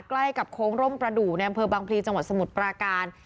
ใกล้กับโค้งร่มประดูกในอำเภอบางพลีจังหวัดสมุทรปราการ